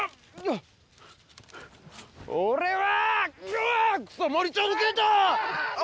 俺は！